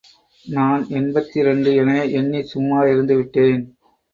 நான் எண்பத்திரண்டு என எண்ணிச் சும்மா இருந்து விட்டேன்.